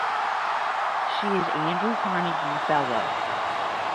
She is an Andrew Carnegie fellow.